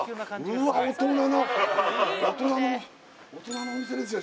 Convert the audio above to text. うわっ大人な大人のお店ですよ